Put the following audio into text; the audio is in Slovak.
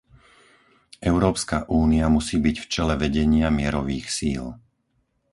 Európska únia musí byť v čele vedenia mierových síl.